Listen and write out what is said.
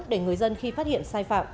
để người dân khi phát hiện sai phạm